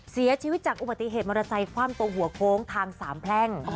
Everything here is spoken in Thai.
เสียชีวิตจากอุบัติเหตุมรสัยความตัวหัวโค้งทางสามแพร่ง